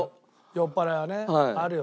酔っ払いはねあるよね。